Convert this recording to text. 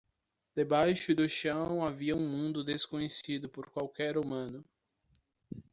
Debaixo do chão havia um mundo desconhecido por qualquer humano.